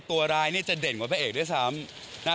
ตัวร้ายเนี่ยจะเด่นกว่าพระเอกด้วยซ้ำ